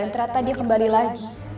dan ternyata dia kembali lagi